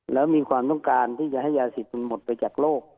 แล้วมีความต้องการที่จะให้ยาสิทธิ์หมดไปจากโลก